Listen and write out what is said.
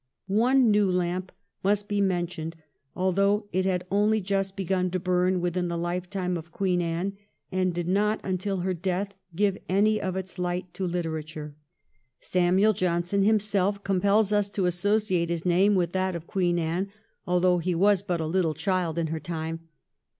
One new lamp must be mentioned, although it had only just begun to burn within the hfetime of Queen Anne, and did not until after her death give any of its light to hterature. Samuel Johnson him self compels us to associate his name with that of Queen Anne, although he was but a little child in her time.